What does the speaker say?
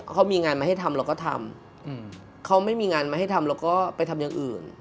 เขามีงานมาให้ทำเราก็ทำเขาไม่มีงานมาให้ทำเราก็ไปทำอย่างอื่น